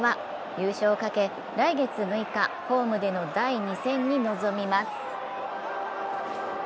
優勝をかけ、来月６日、ホームでの第２戦に臨みます。